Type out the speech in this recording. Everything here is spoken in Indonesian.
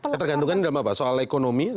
ketergantungan dalam apa soal ekonomi